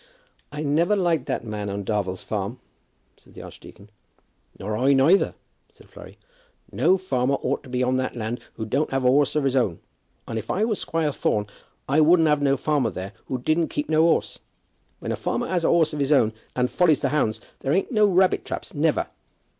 "I never liked that man on Darvell's farm," said the archdeacon. "Nor I either," said Flurry. "No farmer ought to be on that land who don't have a horse of his own. And if I war Squire Thorne, I wouldn't have no farmer there who didn't keep no horse. When a farmer has a horse of his own, and follies the hounds, there ain't no rabbit traps; never.